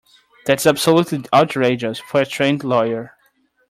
That's absolutely outrageous for a trained lawyer.